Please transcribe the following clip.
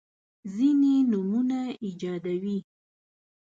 ځیني نومونه ایجادوي.